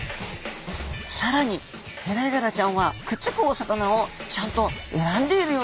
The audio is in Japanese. さらにヘラヤガラちゃんはくっつくお魚をちゃんと選んでいるようなんですよ。